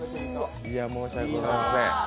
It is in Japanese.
申し訳ございません。